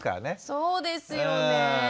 そうですよねえ。